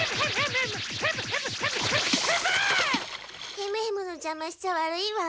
ヘムヘムのじゃましちゃ悪いわ。